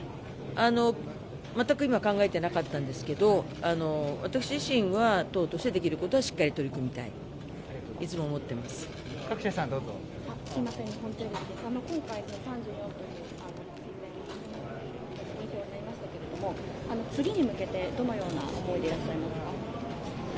全く今考えていなかったんですけど、私自身は党としてできることはしっかり取り組みたい、次に向けてどのような思いでいらっしゃいますか？